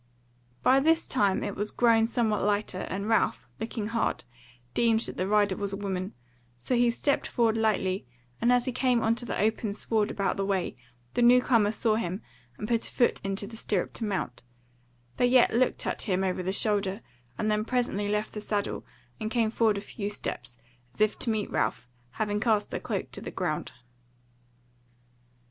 By this time it was grown somewhat lighter and Ralph, looking hard, deemed that the rider was a woman; so he stepped forward lightly, and as he came on to the open sward about the way, the new comer saw him and put a foot into the stirrup to mount, but yet looked at him over the shoulder, and then presently left the saddle and came forward a few steps as if to meet Ralph, having cast the cloak to the ground.